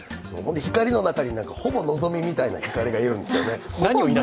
ひかりの中にほぼ、のぞみみたいなひかりがいるんですね。